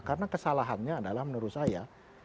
karena kesalahannya adalah menurut saya